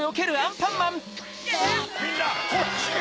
みんなこっちへ！